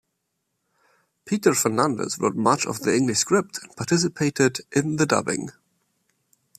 Peter Fernandez wrote much of the English script, and participated in the dubbing.